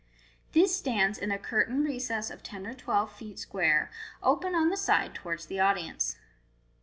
This stands in a curtained recess of ten or twelve feet square, open on the side towards the audience.